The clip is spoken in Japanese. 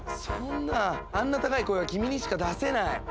そんなあんな高い声は君にしか出せない。